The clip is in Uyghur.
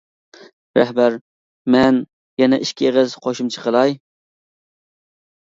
رەھبەر: مەن يەنە ئىككى ئېغىز قوشۇمچە قىلاي.